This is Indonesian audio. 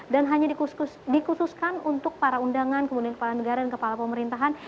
dan hanya dikhususkan untuk para undangan kepala negara dan kepala pemerintahan